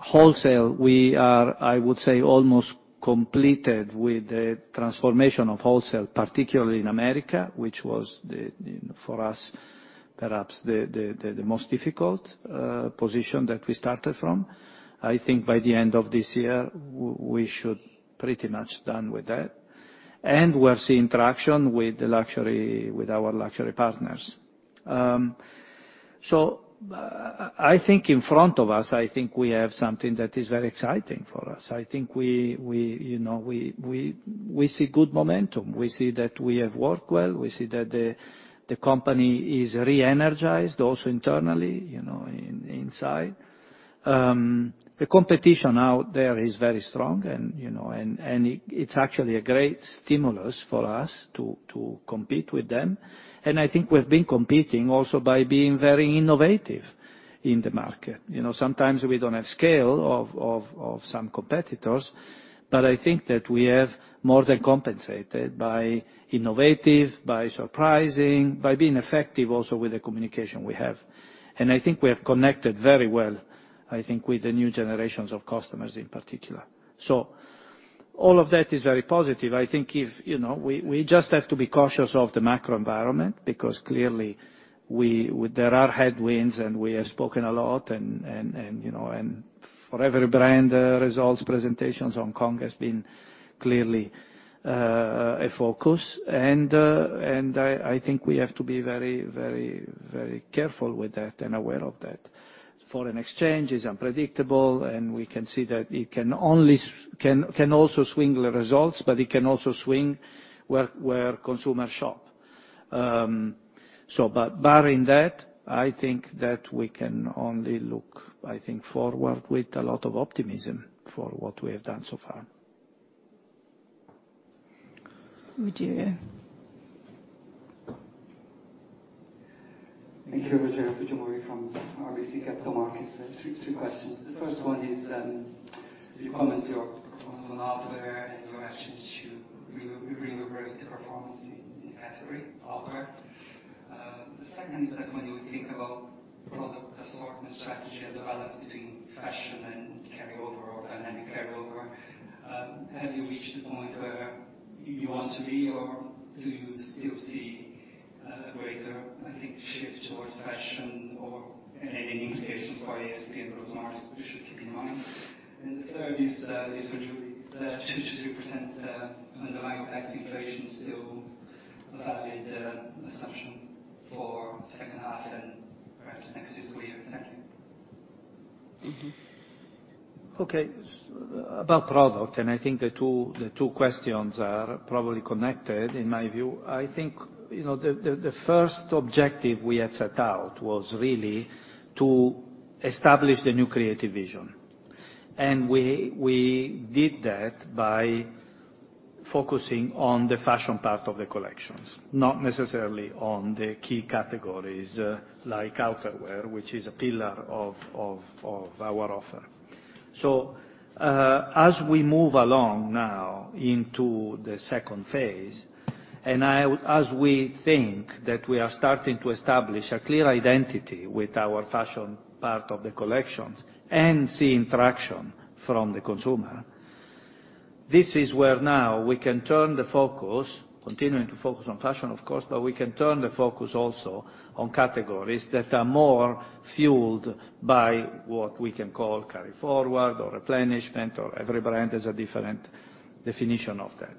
Wholesale, we are, I would say, almost completed with the transformation of wholesale, particularly in America, which was, for us, perhaps the most difficult position that we started from. I think by the end of this year, we should pretty much done with that. We're seeing traction with our luxury partners. I think in front of us, I think we have something that is very exciting for us. I think we see good momentum. We see that we have worked well. We see that the company is re-energized, also internally, inside. The competition out there is very strong, it's actually a great stimulus for us to compete with them. I think we've been competing also by being very innovative in the market. Sometimes we don't have scale of some competitors, but I think that we have more than compensated by innovative, by surprising, by being effective also with the communication we have. I think we have connected very well, I think, with the new generations of customers in particular. All of that is very positive. I think we just have to be cautious of the macro environment because clearly there are headwinds, and we have spoken a lot, and for every brand results, presentations Hong Kong has been clearly a focus. I think we have to be very careful with that and aware of that. Foreign exchange is unpredictable, and we can see that it can also swing the results, but it can also swing where consumer shop. Barring that, I think that we can only look forward with a lot of optimism for what we have done so far. Would you? Yeah. Thank you. Rogerio Fujimori from RBC Capital Markets. Three questions. The first one is, you comment your performance on outerwear and your actions to reinvigorate the performance in category outerwear. The second is that when you think about product assortment strategy and the balance between fashion and carryover or dynamic carryover, have you reached the point where you want to be or do you still see a greater, I think, shift towards fashion or any implications for ASP and gross margin we should keep in mind? The third is, the 2%-3% underlying OpEx inflation still a valid assumption for second half and perhaps next fiscal year? Thank you. Okay. About product, I think the two questions are probably connected in my view. I think the first objective we had set out was really to establish the new creative vision. We did that by focusing on the fashion part of the collections, not necessarily on the key categories like outerwear, which is a pillar of our offer. As we move along now into the second phase, and as we think that we are starting to establish a clear identity with our fashion part of the collections and seeing traction from the consumer, this is where now we can turn the focus, continuing to focus on fashion, of course, but we can turn the focus also on categories that are more fueled by what we can call carry forward or replenishment or every brand has a different definition of that.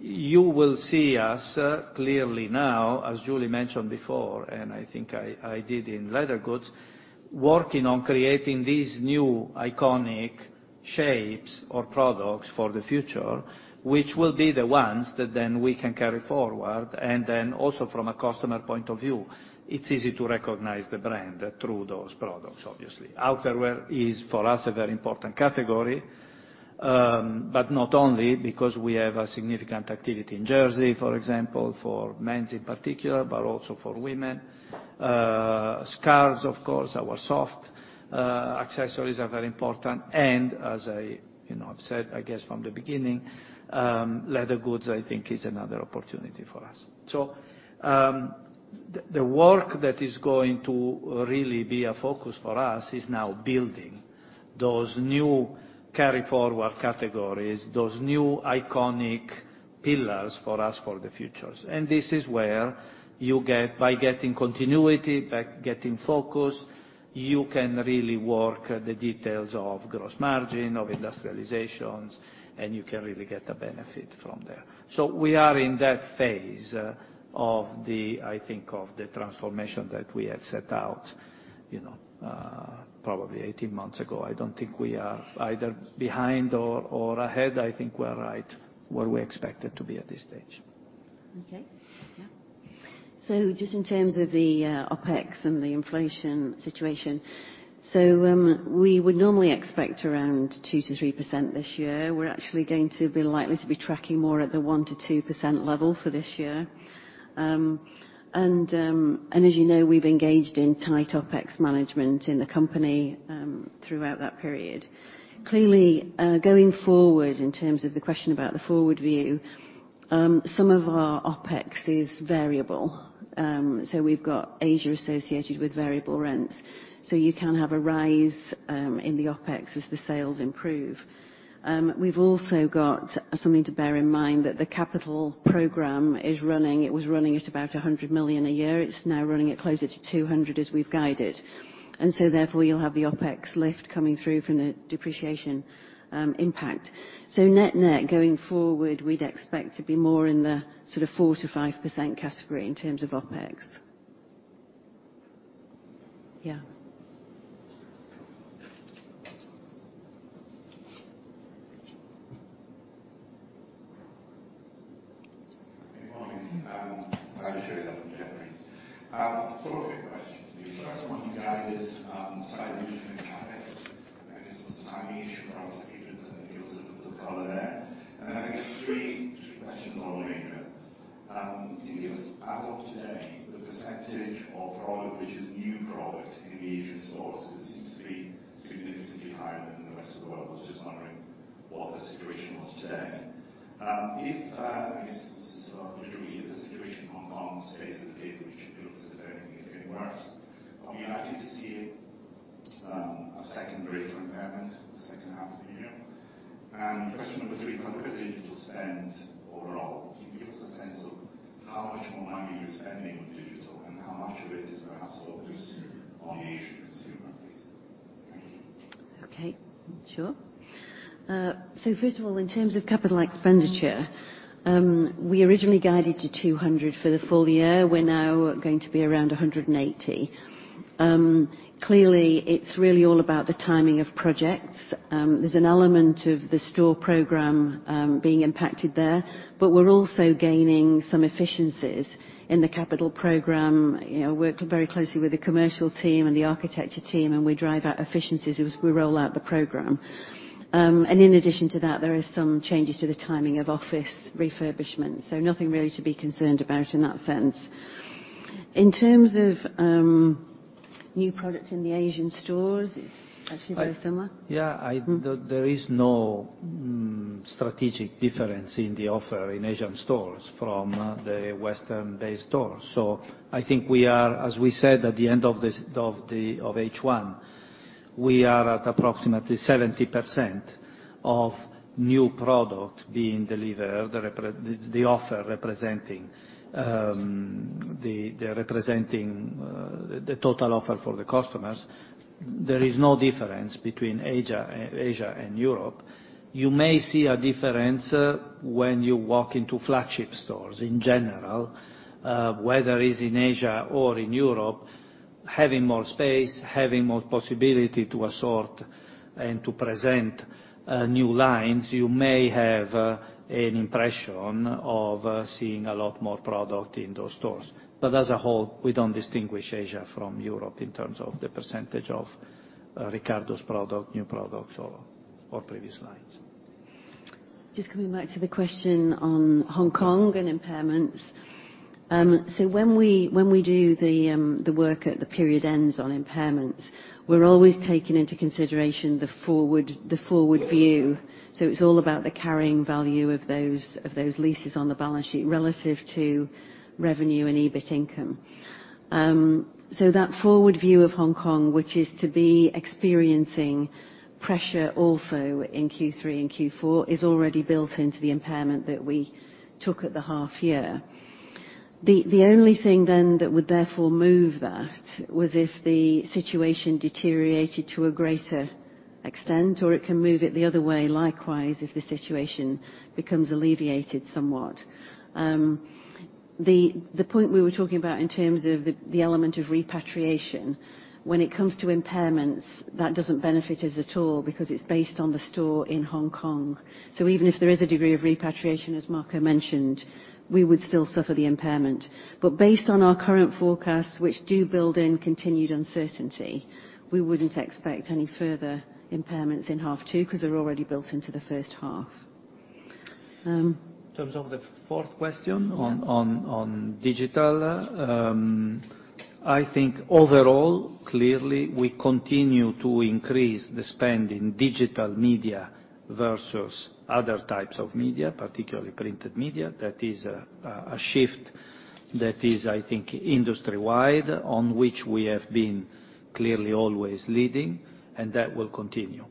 You will see us clearly now, as Julie mentioned before, and I think I did in leather goods, working on creating these new iconic shapes or products for the future, which will be the ones that then we can carry forward. From a customer point of view, it's easy to recognize the brand through those products, obviously. Outerwear is, for us, a very important category, but not only because we have a significant activity in jersey for example, for men's in particular, but also for women. Scarves, of course, our soft accessories are very important. As I've said, I guess from the beginning, leather goods, I think is another opportunity for us. The work that is going to really be a focus for us is now building those new carry forward categories, those new iconic pillars for us for the futures. This is where by getting continuity, by getting focus, you can really work the details of gross margin, of industrializations, and you can really get a benefit from there. We are in that phase of the transformation that we had set out probably 18-months ago. I don't think we are either behind or ahead. I think we're right where we expected to be at this stage. Okay. Yeah. Just in terms of the OpEx and the inflation situation, we would normally expect around 2%-3% this year. We're actually going to be likely to be tracking more at the 1%-2% level for this year. As you know, we've engaged in tight OpEx management in the company throughout that period. Clearly, going forward, in terms of the question about the forward view, some of our OpEx is variable. We've got Asia associated with variable rents, so you can have a rise in the OpEx as the sales improve. We've also got something to bear in mind that the capital program is running. It was running at about 100 million a year. It's now running at closer to 200 million as we've guided. Therefore, you'll have the OpEx lift coming through from the depreciation impact. Net-net going forward, we'd expect to be more in the sort of 4%-5% category in terms of OpEx. Yeah. Good morning. Flavio Cereda from Jefferies. Clearly, it's really all about the timing of projects. There's an element of the store program being impacted there, but we're also gaining some efficiencies in the capital program. Worked very closely with the commercial team and the architecture team, and we drive out efficiencies as we roll out the program. In addition to that, there is some changes to the timing of office refurbishment, so nothing really to be concerned about in that sense. In terms of new product in the Asian stores, it's actually very similar. There is no strategic difference in the offer in Asian stores from the Western-based stores. I think we are, as we said at the end of H1, we are at approximately 70% of new product being delivered, the offer representing the total offer for the customers. There is no difference between Asia and Europe. You may see a difference when you walk into flagship stores in general, whether it's in Asia or in Europe, having more space, having more possibility to assort and to present new lines, you may have an impression of seeing a lot more product in those stores. As a whole, we don't distinguish Asia from Europe in terms of the percentage of Riccardo's product, new products or previous lines. Coming back to the question on Hong Kong and impairments. When we do the work at the period ends on impairments, we're always taking into consideration the forward view. It's all about the carrying value of those leases on the balance sheet relative to revenue and EBIT income. That forward view of Hong Kong, which is to be experiencing pressure also in Q3 and Q4, is already built into the impairment that we took at the half year. The only thing that would therefore move that was if the situation deteriorated to a greater extent, it can move it the other way, likewise, if the situation becomes alleviated somewhat. The point we were talking about in terms of the element of repatriation, when it comes to impairments, that doesn't benefit us at all because it's based on the store in Hong Kong. Even if there is a degree of repatriation, as Marco mentioned, we would still suffer the impairment. Based on our current forecasts, which do build in continued uncertainty, we wouldn't expect any further impairments in half two because they're already built into the first half. In terms of the fourth question on digital. I think overall, clearly, we continue to increase the spend in digital media versus other types of media, particularly printed media. That is a shift that is, I think, industry-wide, on which we have been clearly always leading, and that will continue.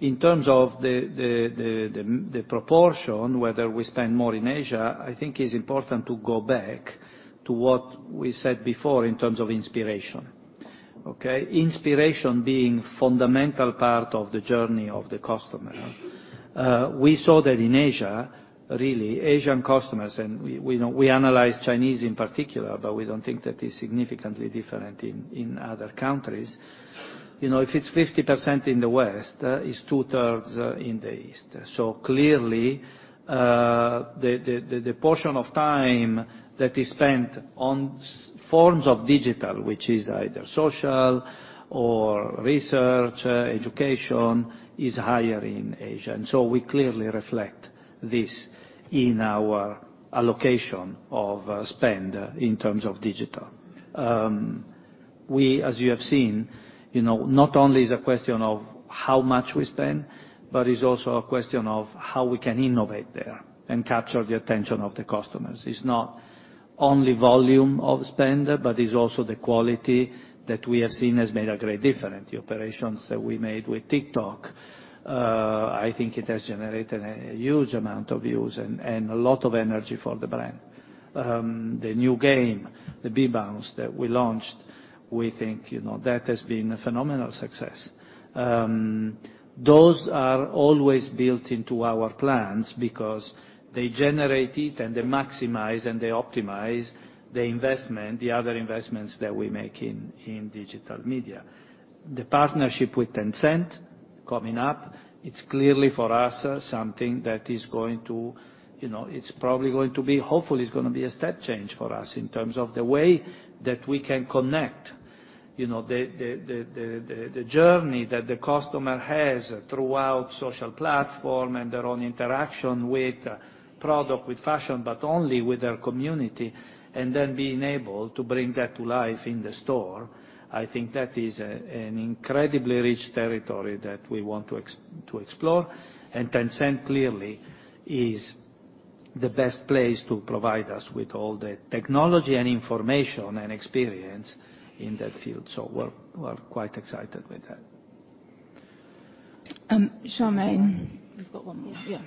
In terms of the proportion, whether we spend more in Asia, I think it's important to go back to what we said before in terms of inspiration. Okay? Inspiration being fundamental part of the journey of the customer. We saw that in Asia, really, Asian customers, and we analyze Chinese in particular, but we don't think that is significantly different in other countries. If it's 50% in the West, it's two-thirds in the East. Clearly, the portion of time that is spent on forms of digital, which is either social or research, education, is higher in Asia. We clearly reflect this in our allocation of spend in terms of digital. As you have seen, not only is it a question of how much we spend, but it's also a question of how we can innovate there and capture the attention of the customers. It's not only volume of spend, but it's also the quality that we have seen has made a great difference. The operations that we made with TikTok, I think it has generated a huge amount of views and a lot of energy for the brand. The new game, the B Bounce that we launched, we think that has been a phenomenal success. Those are always built into our plans because they generate it, and they maximize and they optimize the other investments that we make in digital media. The partnership with Tencent coming up, it's clearly for us, something that is probably going to be, hopefully it's going to be a step change for us in terms of the way that we can connect the journey that the customer has throughout social platform and their own interaction with product, with fashion, but only with their community, and then being able to bring that to life in the store. I think that is an incredibly rich territory that we want to explore. Tencent clearly is the best place to provide us with all the technology and information and experience in that field. We're quite excited with that. Charmaine. We've got one more. Yeah.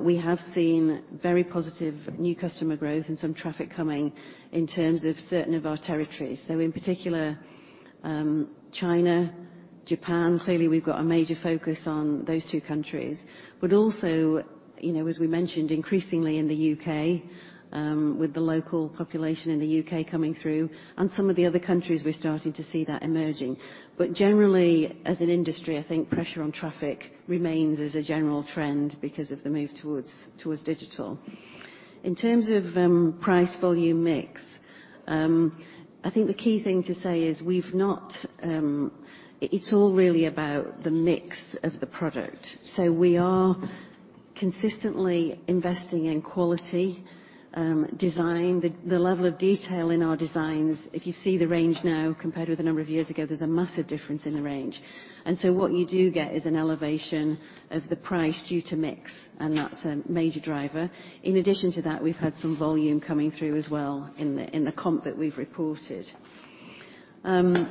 we have seen very positive new customer growth and some traffic coming in terms of certain of our territories. In particular, China, Japan, clearly, we've got a major focus on those two countries. Also, as we mentioned, increasingly in the U.K., with the local population in the U.K. coming through, and some of the other countries, we're starting to see that emerging. Generally, as an industry, I think pressure on traffic remains as a general trend because of the move towards digital. In terms of price volume mix, I think the key thing to say is, it's all really about the mix of the product. We are consistently investing in quality, design, the level of detail in our designs. If you see the range now compared with a number of years ago, there's a massive difference in the range. What you do get is an elevation of the price due to mix, and that's a major driver. In addition to that, we've had some volume coming through as well in the comp that we've reported.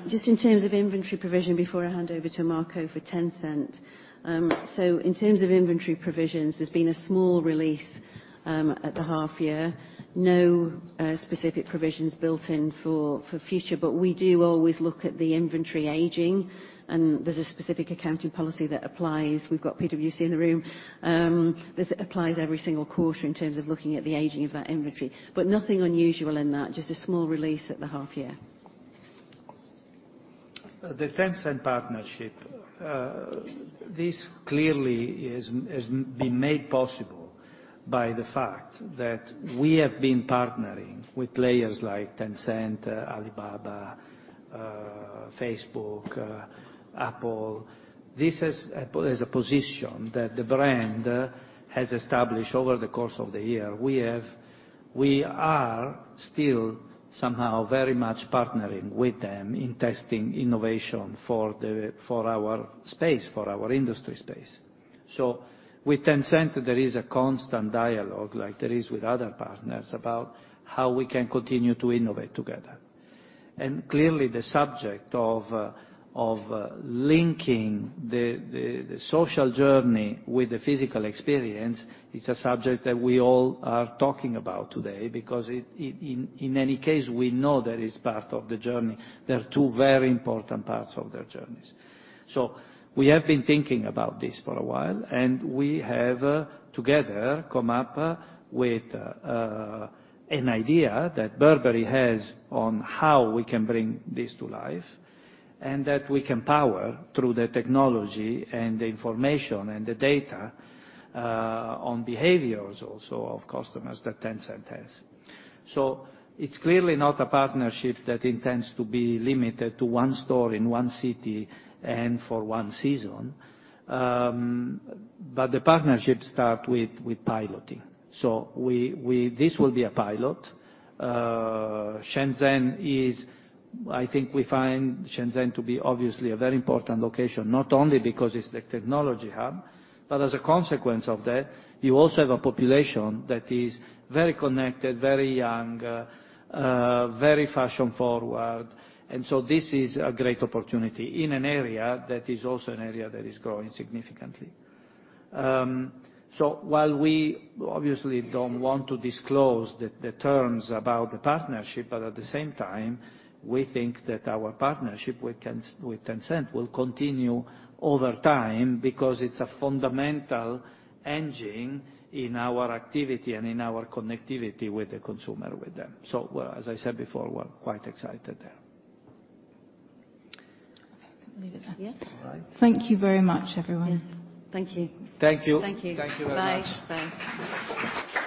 Just in terms of inventory provision, before I hand over to Marco for Tencent. In terms of inventory provisions, there's been a small release at the half year. No specific provisions built in for future, but we do always look at the inventory aging, and there's a specific accounting policy that applies. We've got PwC in the room. This applies every single quarter in terms of looking at the aging of that inventory. Nothing unusual in that, just a small release at the half year. The Tencent partnership. This clearly has been made possible by the fact that we have been partnering with players like Tencent, Alibaba, Facebook, Apple. This is a position that the brand has established over the course of the year. We are still somehow very much partnering with them in testing innovation for our industry space. With Tencent, there is a constant dialogue, like there is with other partners, about how we can continue to innovate together. Clearly, the subject of linking the social journey with the physical experience, it's a subject that we all are talking about today, because in any case, we know that is part of the journey. There are two very important parts of their journeys. We have been thinking about this for a while, and we have, together, come up with an idea that Burberry has on how we can bring this to life and that we can power through the technology and the information and the data on behaviors also of customers that Tencent has. It's clearly not partnership that intends to be limited to one store in one city and for one season. The partnership start with piloting. This will be a pilot. Shenzhen is, I think we find Shenzhen to be obviously a very important location, not only because it's the technology hub, but as a consequence of that, you also have a population that is very connected, very young, very fashion-forward. This is a great opportunity in an area that is also an area that is growing significantly. While we obviously don't want to disclose the terms about the partnership, but at the same time, we think that our partnership with Tencent will continue over time because it's a fundamental engine in our activity and in our connectivity with the consumer with them. As I said before, we're quite excited there. Okay, we can leave it there. Yes. All right. Thank you very much, everyone. Yeah. Thank you. Thank you. Thank you. Thank you very much. Bye.